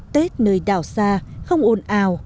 tết nơi đảo sa không ồn ào